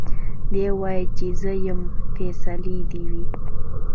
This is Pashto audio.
دی وايي چي زه يم فيصلې دي وي